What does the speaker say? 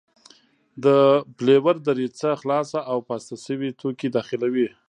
د پلیور دریڅه خلاصه او پاسته شوي توکي داخلوي.